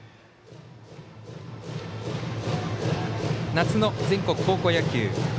夏の全国高校野球。